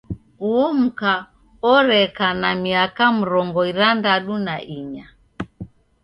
Uo mka oreka na miaka mrongo irandadu na inya.